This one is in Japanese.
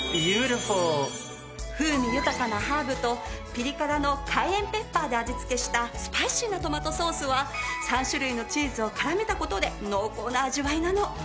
風味豊かなハーブとピリ辛のカイエンペッパーで味付けしたスパイシーなトマトソースは３種類のチーズを絡めた事で濃厚な味わいなの。